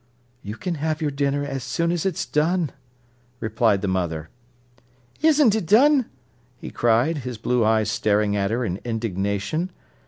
"You can have your dinner as soon as it's done," replied the mother. "Isn't it done?" he cried, his blue eyes staring at her in indignation.